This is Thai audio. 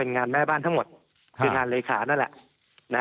งานแม่บ้านทั้งหมดเป็นงานเหลิกรถนะแล้ว